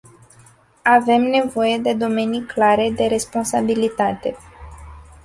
Avem nevoie de domenii clare de responsabilitate.